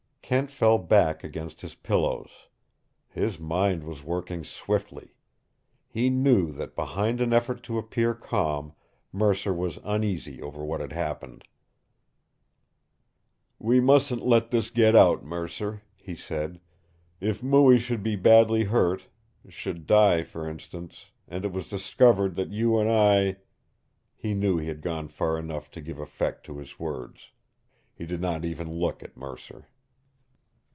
Kent fell back against his pillows. His mind was working swiftly. He knew that behind an effort to appear calm Mercer was uneasy over what had happened. "We mustn't let this get out, Mercer," he said. "If Mooie should be badly hurt should die, for instance and it was discovered that you and I " He knew he had gone far enough to give effect to his words. He did not even look at Mercer.